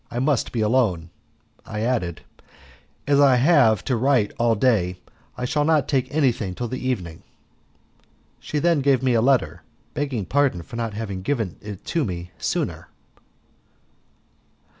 I must be alone," I added, "as I have to write all day, and I shall not take anything till the evening." She then gave me a letter, begging pardon for not having given it me sooner.